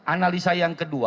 analisa yang kedua